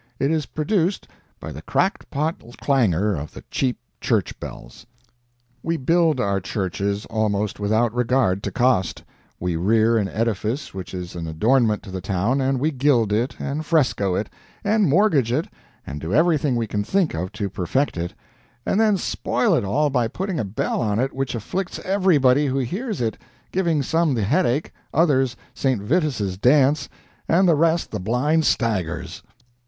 It is produced by the cracked pot clangor of the cheap church bells. We build our churches almost without regard to cost; we rear an edifice which is an adornment to the town, and we gild it, and fresco it, and mortgage it, and do everything we can think of to perfect it, and then spoil it all by putting a bell on it which afflicts everybody who hears it, giving some the headache, others St. Vitus's dance, and the rest the blind staggers.